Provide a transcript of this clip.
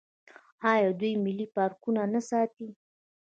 آیا دوی ملي پارکونه نه ساتي؟